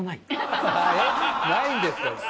ないんですか？